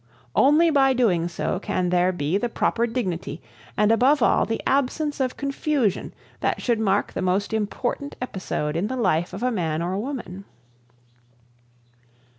Only by doing so can there be the proper dignity, and above all the absence of confusion that should mark the most important episode in the life of a man or woman.